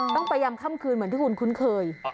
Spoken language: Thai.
ต้องไปยำค่ำคืนเหมือนที่คุณคุ้นเคย